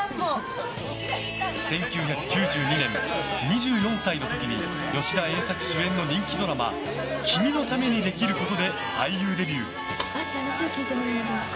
１９９２年、２４歳の時に吉田栄作主演の人気ドラマ「君のためにできること」で俳優デビュー。